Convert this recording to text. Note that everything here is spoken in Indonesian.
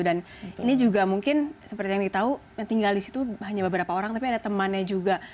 dan ini juga mungkin seperti yang ditahu tinggal di situ hanya beberapa orang tapi ada temannya juga